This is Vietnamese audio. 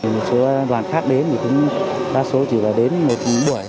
một số đoàn khác đến đa số chỉ là đến một buổi